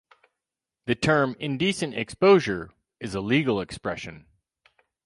The term "indecent exposure" is a legal expression.